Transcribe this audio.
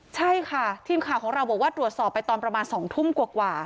ใช่ค่ะทีมข่าวของเราบอกว่าตรวจสอบไปตอนประมาณ๒ทุ่มกว่า